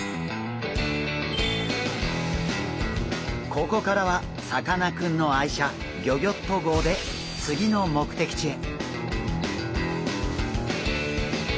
ここからはさかなクンの愛車ギョギョッと号でつぎのもくてきちへ。